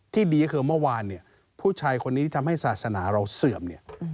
ดีก็คือเมื่อวานเนี่ยผู้ชายคนนี้ทำให้ศาสนาเราเสื่อมเนี่ย